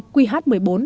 quy hát một mươi bốn